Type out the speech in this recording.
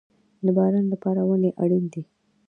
د باران لپاره ونې اړین دي